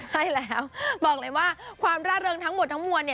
ใช่แล้วบอกเลยว่าความร่าเริงทั้งหมดทั้งมวล